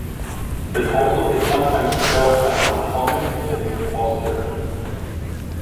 The title is sometimes spelt as Mahomet the Impostor.